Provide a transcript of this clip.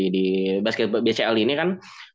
di basket bcl ini kan